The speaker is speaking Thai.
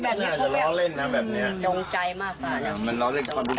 มันต้องเต็มต้องเต็มบางทีอาจจะว่าพ่อแม่ให้ซองมาหรือว่าลูกอย่าง